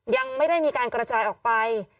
ยังไม่ได้มีการกระจายออกไป